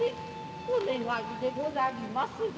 お願いでござりまする。